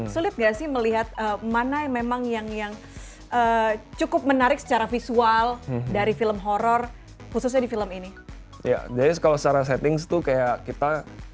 sudah tuh jadi melihat mane memang yang yang cukup menarik secara visual dari film richmore hust exception ini dia kalau setengah rating hai hai w kita